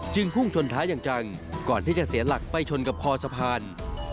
พุ่งชนท้ายอย่างจังก่อนที่จะเสียหลักไปชนกับคอสะพาน